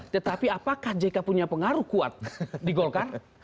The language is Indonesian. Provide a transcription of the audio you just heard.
tetapi apakah jk punya pengaruh kuat di golkar